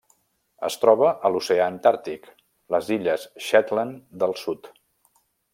Es troba a l'oceà Antàrtic: les illes Shetland del Sud.